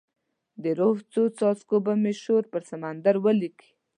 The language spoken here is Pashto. د روح څو څاڅکي به مې شور پر سمندر ولیکې